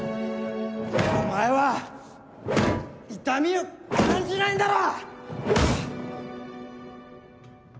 お前は痛みを感じないんだろ！